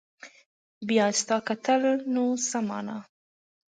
بيا ستا کتل نو څه معنا